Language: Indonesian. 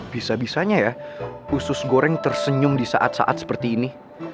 bisa bisanya ya khusus goreng tersenyum disaat saat seperti ini